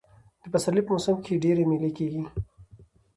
د پسرلي په موسم کښي ډېرئ مېلې کېږي.